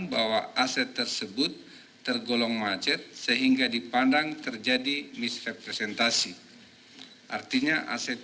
bahwa aset tersebut tergolong macet sehingga dipandang terjadi misrepresentasi artinya aset